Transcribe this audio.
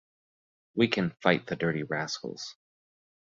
We can fight the dirty rascals.